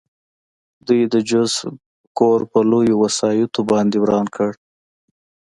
دوی د جوزف کور په لویو وسایطو باندې وران کړ